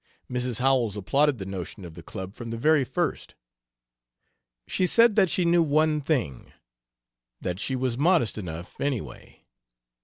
Mrs. Howells applauded the notion of the club from the very first. She said that she knew one thing: that she was modest enough, anyway.